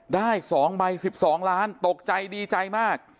ได้๒ใบ๑๒ล้านตกใจดีใจมาก